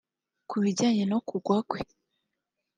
Ku bijyanye no kugwa kwe